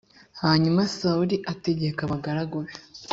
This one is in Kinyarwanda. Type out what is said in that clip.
hanyuma sawuli ategeka abagaragu be